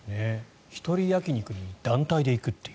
一人焼き肉に団体で行くという。